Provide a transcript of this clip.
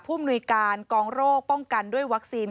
มนุยการกองโรคป้องกันด้วยวัคซีน